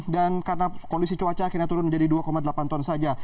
dan karena kondisi cuaca akhirnya turun menjadi dua delapan ton saja